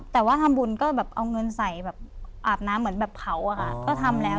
แต่ว่าทำบุญก็แบบเอาเงินใส่แบบอาบน้ำเหมือนแบบเผาอะค่ะก็ทำแล้ว